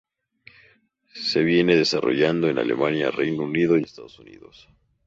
Se viene desarrollando en Alemania, Reino Unido y Estados Unidos.